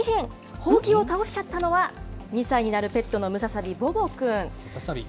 ほうきを倒しちゃったのは、２歳になるペットのムササビ、ムササビ？